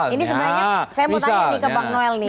ini sebenarnya saya mau tanya nih ke bang noel nih